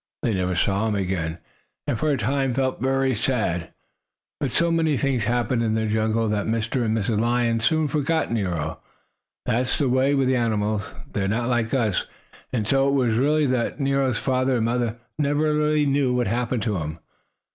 They never saw him again, and, for a time, felt very sad. But so many things happened in the jungle that Mr. and Mrs. Lion soon forgot Nero. That's the way with animals. They are not like us. And so it was that Nero's father and mother never really knew what happened to him.